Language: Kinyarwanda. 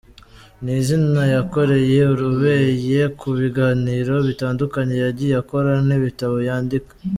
Ni izina yakoreye urebeye ku biganiro bitandukanye yagiye akora n’ibitabo yandika.